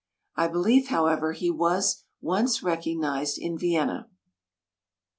I believe, however, he was once recognized in Vienna.